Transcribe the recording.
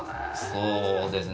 そうです。